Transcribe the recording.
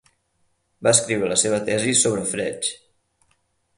Va escriure la seva tesi sobre Frege.